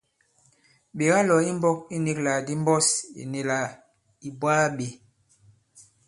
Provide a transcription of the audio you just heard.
Ɓè kalɔ̀ i mbɔ̄k i nīglàk ndi mbɔs ì nì là ì bwaa bě.